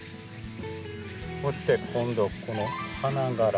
そして今度この花がら。